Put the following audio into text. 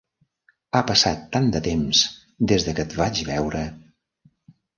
Ha passat tant de temps des que et vaig veure!